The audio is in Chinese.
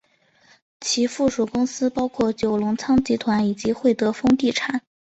其附属公司包括九龙仓集团以及会德丰地产。